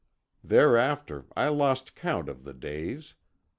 Thereafter I lost count of the days.